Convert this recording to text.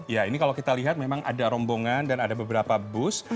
ya ini kalau kita lihat memang ada rombongan dan ada beberapa bus